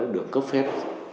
được cấp phép